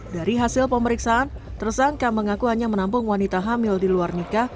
dari hasil pemeriksaan tersangka mengaku hanya menampung wanita hamil di luar nikah